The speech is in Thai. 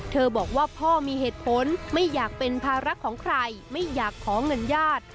บอกว่าพ่อมีเหตุผลไม่อยากเป็นภาระของใครไม่อยากขอเงินญาติ